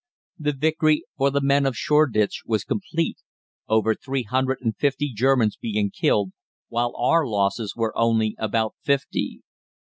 The victory for the men of Shoreditch was complete, over three hundred and fifty Germans being killed, while our losses were only about fifty.